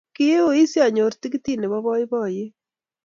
Kiui sianyor tikitit nebo boiboiyet